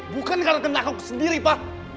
bukan karena kena aku sendiri pa